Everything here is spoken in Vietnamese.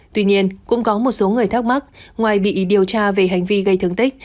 tuy nhiên cũng có một số người thắc mắc ngoài bị điều tra về hành vi gây thương tích